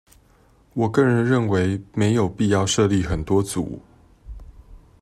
我個人認為沒有必要設立很多組